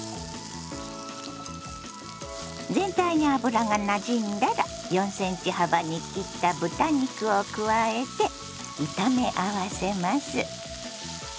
全体に油がなじんだら４ｃｍ幅に切った豚肉を加えて炒め合わせます。